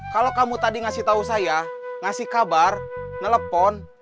kalau kamu tadi ngasih tahu saya ngasih kabar nelepon